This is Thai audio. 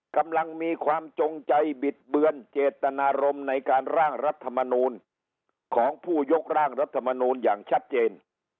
กำลังมีความจงใจบิดเบือนเจตนารมณ์ในการร่างรัฐมนูลของผู้ยกร่างรัฐมนูลอย่างชัดเจน